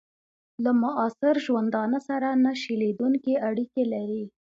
له معاصر ژوندانه سره نه شلېدونکي اړیکي لري.